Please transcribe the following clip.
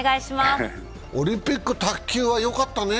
オリンピック卓球はよかったね。